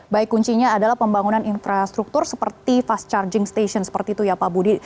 baik kuncinya adalah pembangunan infrastruktur seperti fast charging station seperti itu ya pak budi